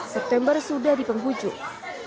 september sudah di penghujung